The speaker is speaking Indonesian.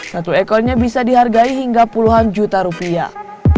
satu ekornya bisa dihargai hingga puluhan juta rupiah